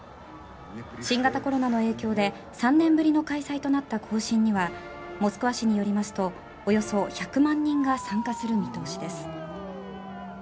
新型コロナの影響で３年ぶりの開催となった行進にはモスクワ市によりますとおよそ１００万人が参加する見通しです。